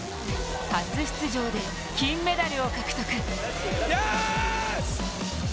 初出場で金メダルを獲得。